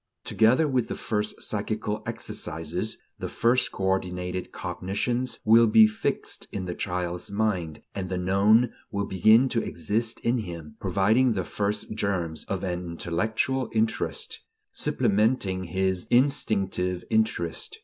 Together with the first psychical exercises, the first coordinated cognitions will be fixed in the child's mind, and the known will begin to exist in him, providing the first germs of an intellectual interest, supplementing his instinctive interest.